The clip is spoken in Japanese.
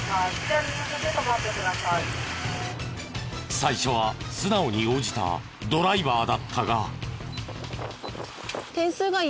最初は素直に応じたドライバーだったが。